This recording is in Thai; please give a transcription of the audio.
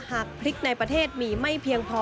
หากพริกในประเทศมีไม่เพียงพอ